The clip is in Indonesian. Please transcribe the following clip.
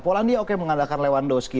polandia oke mengandalkan lewandowski